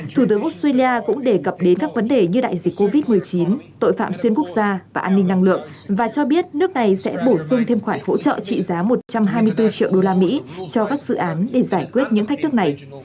thủ tướng australia cũng đề cập đến các vấn đề như đại dịch covid một mươi chín tội phạm xuyên quốc gia và an ninh năng lượng và cho biết nước này sẽ bổ sung thêm khoản hỗ trợ trị giá một trăm hai mươi bốn triệu đô la mỹ cho các dự án để giải quyết những thách thức này